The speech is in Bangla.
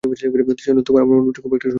সেজন্যে আমার মনের ভিতরে খুব একটা শূন্যতা ছিল।